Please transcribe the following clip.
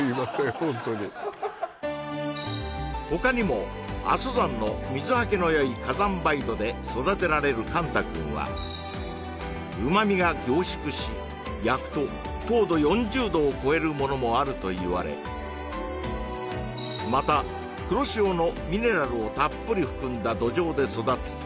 ほんとに他にも阿蘇山の水はけのよい火山灰土で育てられる甘太くんは旨味が凝縮し焼くと糖度４０度を超えるものもあると言われまた黒潮のミネラルをたっぷり含んだ土壌で育つ